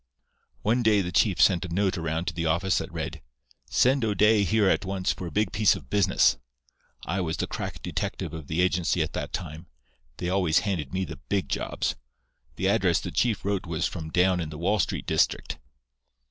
"One day the chief sent a note around to the office that read: 'Send O'Day here at once for a big piece of business.' I was the crack detective of the agency at that time. They always handed me the big jobs. The address the chief wrote from was down in the Wall Street district.